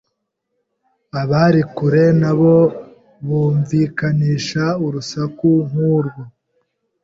abari kure na bo bumvikanisha urusaku nk'urwo